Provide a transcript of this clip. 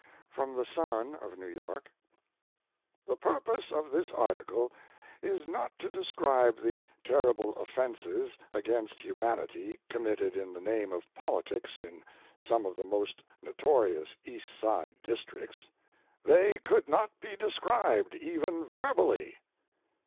From The Sun., of New York : "The purpose of this article is not to describe the terrible offences against humanity committed in the name of Politics in some of the most notorious East Side districts. They could not be described, even verbally.